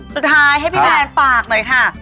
สุดท้ายให้พี่แนนฝากหน่อยค่ะ